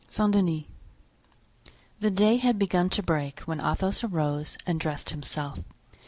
Saint Denis. The day had begun to break when Athos arose and dressed himself.